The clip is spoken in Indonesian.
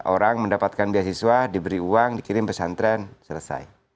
orang mendapatkan beasiswa diberi uang dikirim pesantren selesai